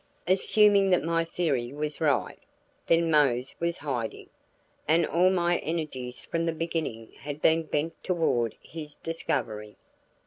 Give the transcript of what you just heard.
Assuming that my theory was right, then Mose was hiding; and all my energies from the beginning had been bent toward his discovery.